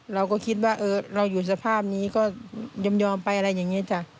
เราก็คิดว่าเราอยู่สภาพนี้ก็ยอมไปอะไรอย่างนี้จ้ะ